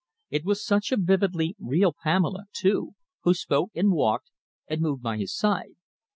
It was such a vividly real Pamela, too, who spoke and walked and moved by his side.